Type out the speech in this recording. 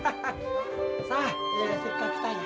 さあせっかく来たんや。